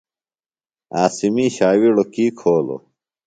عاصمی ݜاوِیڑوۡ کی کھولوۡ؟